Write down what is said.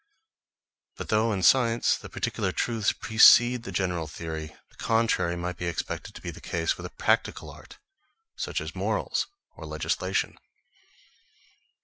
But though in science the particular truths precede the general theory, the contrary might be expected to be the case with a practical art, such as morals or legislation.